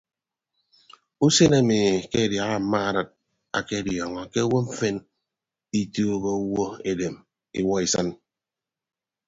Usen emi ke adiaha mma arịd akediọọñọ ke owo mfen ituuko owo edem iwuọ isịn.